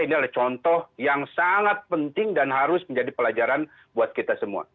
ini adalah contoh yang sangat penting dan harus menjadi pelajaran buat kita semua